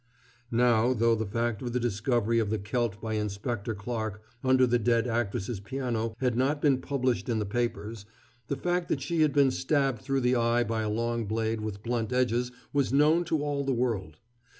Now, though the fact of the discovery of the celt by Inspector Clarke under the dead actress's piano had not been published in the papers, the fact that she had been stabbed through the eye by a long blade with blunt edges was known to all the world.